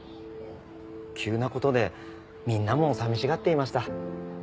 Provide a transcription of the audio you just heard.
急な事でみんなも寂しがっていました。